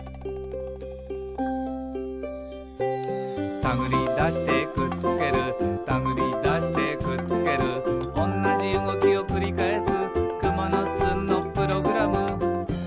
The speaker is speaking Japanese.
「たぐりだしてくっつけるたぐりだしてくっつける」「おんなじうごきをくりかえす」